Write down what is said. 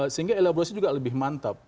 sehingga elaborasi juga lebih mantap